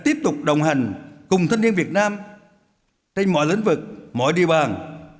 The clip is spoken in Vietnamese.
tiếp tục đồng hành cùng thanh niên việt nam trên mọi lĩnh vực mọi địa bàn